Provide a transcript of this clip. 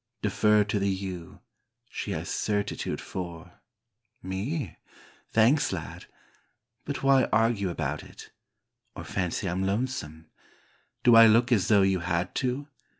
Defer to the you, she has certitude for, me? thanks, lad! — but why argue about it? — or fancy Tm lonesome? — do I look as though you had to?